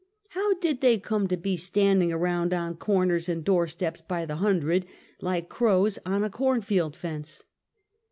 Plow did they come to be standing around on corners and doorsteps by the hundred, like crows on a cornfield fence?